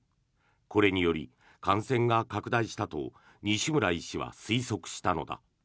これにより感染が拡大したと西村医師は推測したのだ。